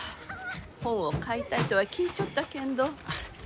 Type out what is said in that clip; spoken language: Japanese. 本を買いたいとは聞いちょったけんど。